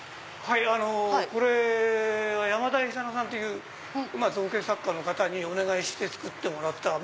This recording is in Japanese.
これは山田勇魚さんという造形作家の方にお願いして作ってもらった。